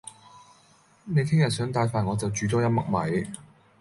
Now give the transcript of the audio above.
你聽日想帶飯我就煮多一嘜米